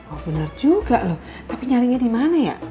oh bener juga loh tapi nyaringnya dimana ya